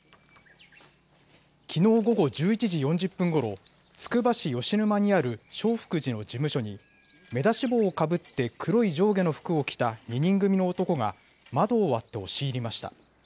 きのう午後１１時４０分ごろ、つくば市吉沼にある、正福寺の事務所に、目出し帽をかぶって黒い上下の服を着た２人組の男が窓を割って押し入りました。